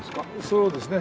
そうですね。